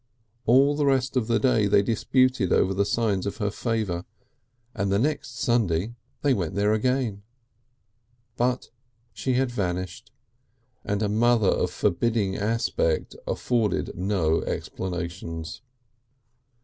All the rest of that day they disputed over the signs of her favour, and the next Sunday they went there again. But she had vanished, and a mother of forbidding aspect afforded no explanations.